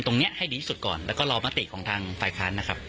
นี่แหละค่ะ